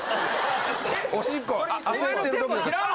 おしっこ焦ってる時の。